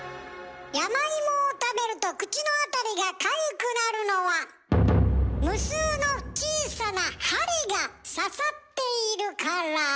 山芋を食べると口のあたりがかゆくなるのは無数の小さな針が刺さっているから。